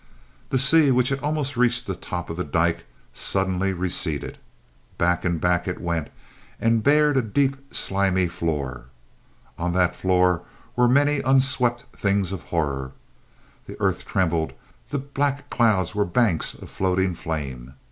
The sea which had almost reached the top of the dyke suddenly receded. Back and back it went and bared a deep and slimy floor. On that floor were many unswept things of horror. The earth trembled. The black clouds were banks of floating flame.